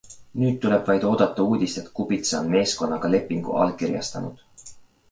Nüüd tuleb vaid oodata uudist, et Kubica on meeskonnaga lepingu allkirjastanud.